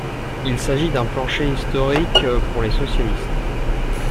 Il s'agit d'un plancher historique pour les socialistes.